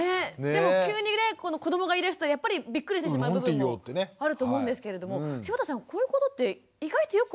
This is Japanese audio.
でも急にね子どもが言いだすとやっぱりびっくりしてしまう部分もあると思うんですけれども柴田さんこういうことって意外とよくあることだったりするんですか？